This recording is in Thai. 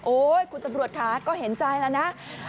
คุณตำรวจค่ะก็เห็นใจแล้วนะ